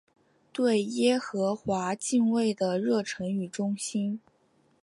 对耶和华敬畏的热诚与忠心。